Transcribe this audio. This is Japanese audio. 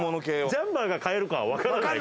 ジャンパーが買えるかはわからない。